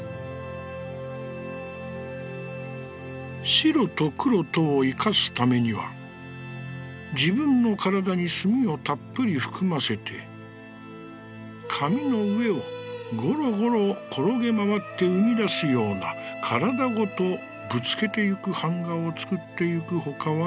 「白と黒とを生かすためには、自分のからだに墨をたっぷり含ませて、紙の上をごろごろ転げまわって生み出すようなからだごとぶつけてゆく板画をつくってゆくほかはない」。